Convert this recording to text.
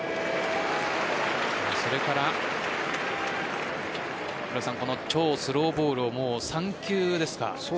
それから超スローボールをもう３球ですか。